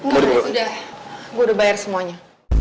gue udah gue udah bayar semuanya